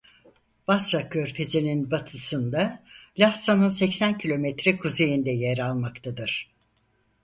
Basra Körfezi'nin batısında Lahsa'nın seksen kilometre kuzeyinde yer almaktadır.